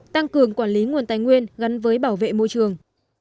tăng cường quản lý nguồn tài nguyên gắn với bảo vệ môi trường